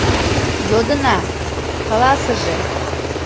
Йодына, каласыже.